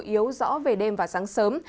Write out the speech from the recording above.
yếu rõ về đêm và sáng sớm